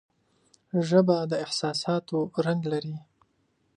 ژبه د احساساتو رنگ لري